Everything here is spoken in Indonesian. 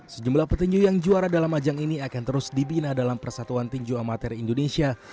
sejumlah petinju yang juara dalam ajang ini akan terus dibina dalam persatuan tinju amatir indonesia